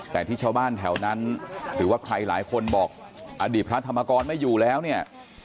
แต่ที่ชาวบ้านแถวนั้นหรือว่าใครหลายคนบอกอดีตพระธรรมกรไม่อยู่แล้วเนี่ย